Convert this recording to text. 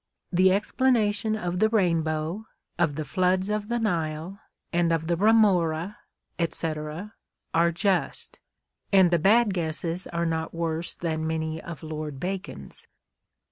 The explanation of the rainbow, of the floods of the Nile, and of the remora^&c, are just ; and the bad guesses are not worse than many of Lord Bacon's.